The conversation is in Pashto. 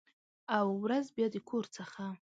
او، ورځ بیا د کور څخه